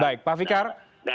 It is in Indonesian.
baik pak fikar